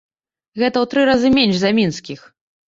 Гэта ў тры разы менш за мінскіх!